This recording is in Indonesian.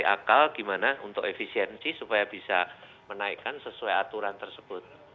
jadi akal bagaimana untuk efisiensi supaya bisa menaikkan sesuai aturan tersebut